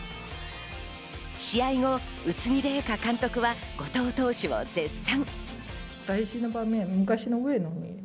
試合後、宇津木麗華監督は後藤投手を絶賛。